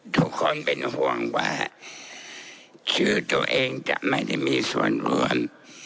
ทุกคนเป็นห่วงว่าชื่อตัวเองจะไม่ได้มีส่วนรวม